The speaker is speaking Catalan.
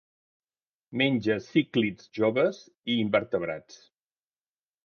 Menja cíclids joves i invertebrats.